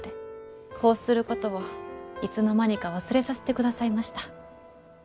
こうすることをいつの間にか忘れさせてくださいました。